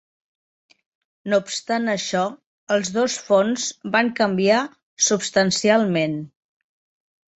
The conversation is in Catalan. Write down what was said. No obstant això, els dos fons van canviar substancialment.